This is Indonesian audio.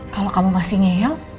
kalau kamu masih ngeyel